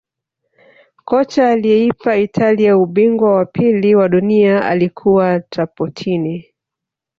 kocha aliyeipa italia ubingwa wa pili wa dunia alikuwa trapatoni